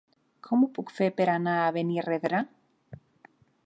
Com ho puc fer per anar a Benirredrà?